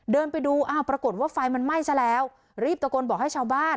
เดินไปดูอ้าวปรากฏว่าไฟมันไหม้ซะแล้วรีบตะโกนบอกให้ชาวบ้าน